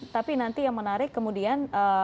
tapi nanti yang menarik kemudian